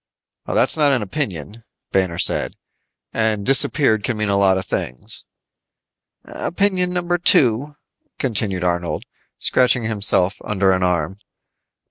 "That's not an opinion," Banner said. "And disappeared can mean a lot of things." "Opinion number two," continued Arnold, scratching himself under an arm.